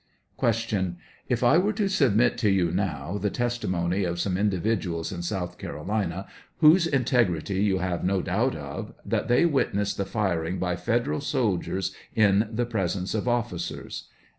Q. If I were to submit to yO'u now the testimony of some individuals in South Carolina, whose integrity you have no doubt of, that they witnessed the firing by Federal soldiers in the presence of officers